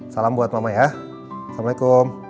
salam buat mama ya assalamualaikum